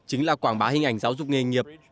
chính là quảng bá hình ảnh giáo dục nghề nghiệp